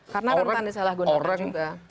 karena rentan salah gunakan juga